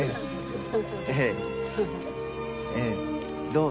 どう？